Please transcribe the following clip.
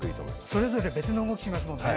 それぞれ別の動きしますもんね。